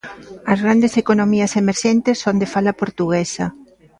As grandes economías emerxentes son de fala portuguesa.